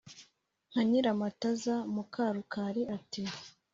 nka nyiramataza muka rukari ati: